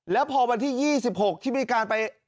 แล้วพอวันที่๒๖ที่มีการไป